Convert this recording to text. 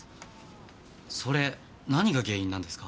それ何が原因なんですか？